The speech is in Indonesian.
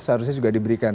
seharusnya juga diberikan